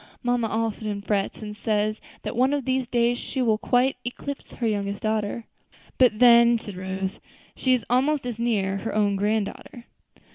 Mamma often frets, and says that one of these days she will quite eclipse her younger daughters." "But then," said Rose, "she is almost as near; her own grand daughter."